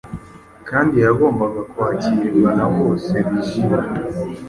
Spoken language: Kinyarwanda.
kandi yagombaga kwakirwa na bose bishimye.